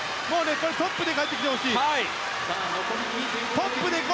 トップで帰ってきてほしい。